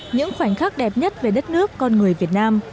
những khoảnh khắc đẹp nhất về đất nước con người việt nam